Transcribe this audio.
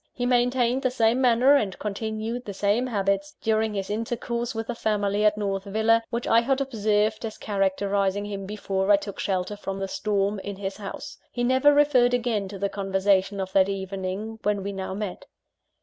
He maintained the same manner, and continued the same habits, during his intercourse with the family at North Villa, which I had observed as characterising him before I took shelter from the storm, in his house. He never referred again to the conversation of that evening, when we now met.